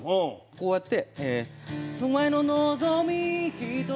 こうやって。